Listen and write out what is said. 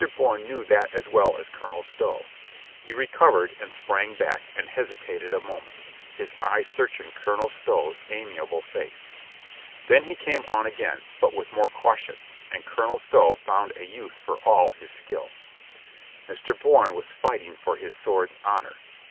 Bourne knew that as well as Colonel Stow. He recovered and sprang back, and hesitated a moment, his eyes searching Colonel Stow's amiable face. Then he came«on again, but with more caution, and Colonel Stow found a use for all his skill. Mr. Bourne was fighting for his sword's honor.